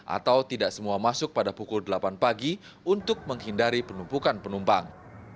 atau tidak semua masuk pada pukul delapan pagi untuk menghindari penumpukan penumpang